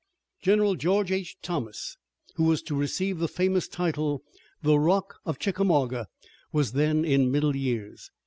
General George H. Thomas, who was to receive the famous title, "The Rock of Chickamauga," was then in middle years.